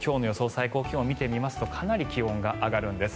最高気温を見てみますとかなり気温が上がるんです。